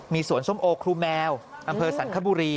มีสวนส้มโอครูแมวอำเภอสันคบุรี